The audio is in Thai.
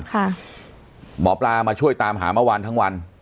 หมอปลามาช่วยตามหาเมื่อวานทั้งวัน